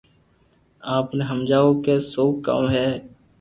آپ ني ھماجو ڪو سھو ڪاو ھي